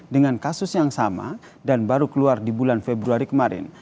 dengan kasus yang sama dan baru keluar di bulan februari kemarin